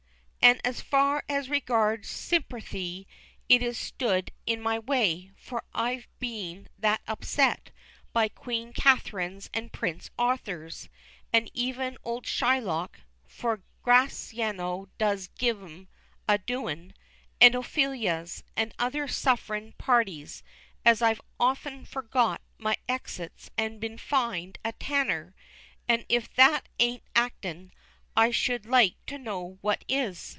An' as far as regards simperthy, it's stood in my way, for I've been that upset by Queen Katherines and Prince Arthurs, and even old Shylock (for Grashyano does giv' 'im a doin'), and Ophelias, and other sufferin' parties, as I've often forgot my hexits and been fined a tanner; and if that ain't actin', I should like to know what is.